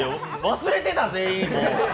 忘れてた、全員！